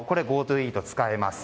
ＧｏＴｏイートが使えます。